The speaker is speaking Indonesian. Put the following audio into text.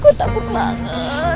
gue takut banget